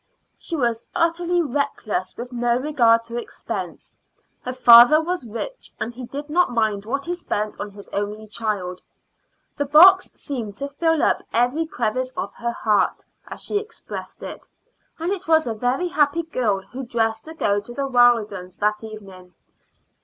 She was utterly reckless with regard to expense. Her father was rich, and he did not mind what he spent on his only child. The box seemed to fill up every crevice of her heart, as she expressed it, and it was a very happy girl who dressed to go to the Weldons' that evening.